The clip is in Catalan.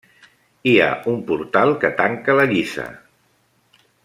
Hi ha un portal que tanca la lliça.